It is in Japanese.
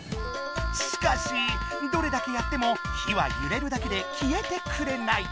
しかしどれだけやっても火はゆれるだけで消えてくれない。